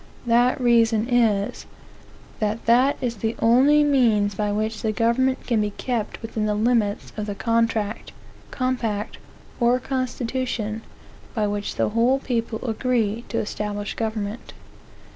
That reason is, that that is the only means by which the government can be kept within the limits of the contract, compact, or constitution, by which the whole people agree to establish government.